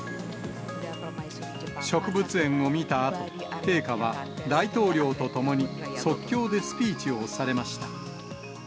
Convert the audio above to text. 植物園を見たあと、陛下は大統領と共に、即興でスピーチをされました。